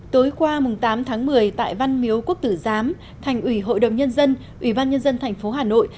tối qua tám một mươi tại văn miếu quốc tử giám thành ủy hội đồng nhân dân ủy ban nhân dân tp hà nội